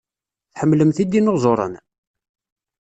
Tḥemmlemt idinuẓuren?